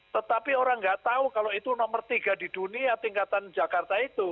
tetapi orang nggak tahu kalau itu nomor tiga di dunia tingkatan jakarta itu